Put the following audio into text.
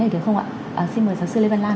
xin mời giáo sư lê văn lan